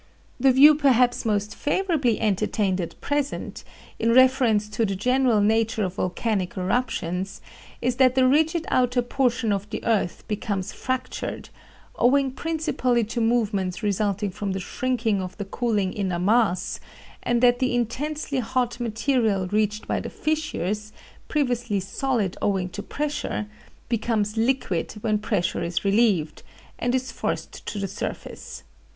The view perhaps most favorably entertained at present, in reference to the general nature of volcanic eruptions, is that the rigid outer portion of the earth becomes fractured, owing principally to movements resulting from the shrinking of the cooling inner mass, and that the intensely hot material reached by the fissures, previously solid owing to pressure, becomes liquid when pressure is relieved, and is forced to the surface.